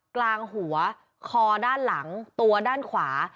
กลางหัวคอด้านหลังตัวด้านขวา